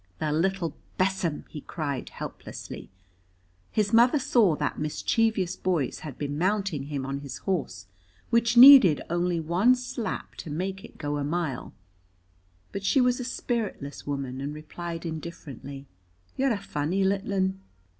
"The little besom!" he cried helplessly. His mother saw that mischievous boys had been mounting him on his horse, which needed only one slap to make it go a mile; but she was a spiritless woman, and replied indifferently, "You're a funny litlin."